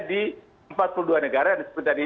di empat puluh dua negara seperti tadi